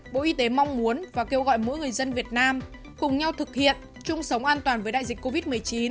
bộ y tế mong muốn và kêu gọi mỗi người dân việt nam cùng nhau thực hiện chung sống an toàn với đại dịch covid một mươi chín